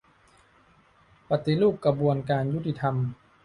ปฏิรูปกระบวนการยุติธรรม